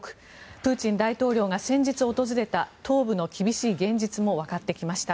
プーチン大統領が先日訪れた東部の厳しい現実もわかってきました。